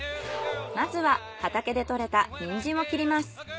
まずは畑で採れたニンジンを切ります。